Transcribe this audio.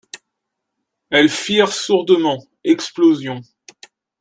Elles firent sourdement explosion.